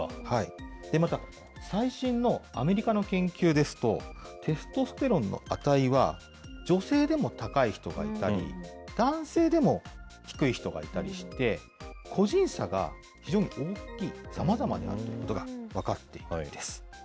また、最新のアメリカの研究ですと、テストステロンの値は、女性でも高い人がいたり、男性でも低い人がいたりして、個人差が非常に大きい、さまざまであることが分かっているんです。